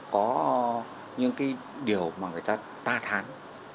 có những điều mà người ta ta thán